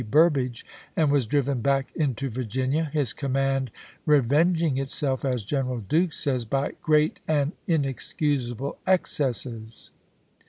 Burbridge, and was driven back into Virginia, his command revenging itself, as General Duke says, by "great and inexcusable excesses."